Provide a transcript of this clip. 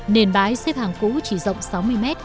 nền bái xếp hàng cũ chỉ rộng sáu mươi mét